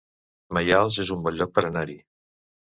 Maials es un bon lloc per anar-hi